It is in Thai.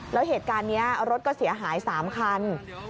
แล้วเหตุการณ์นี้รถก็เสียหาย๓คัน